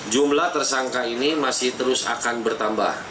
jumlah tersangka ini masih terus akan bertambah